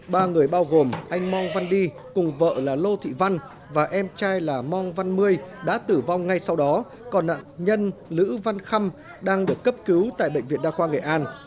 ba người bao gồm anh mong văn đi cùng vợ là lô thị văn và em trai là mong văn mười đã tử vong ngay sau đó còn nạn nhân lữ văn khâm đang được cấp cứu tại bệnh viện đa khoa nghệ an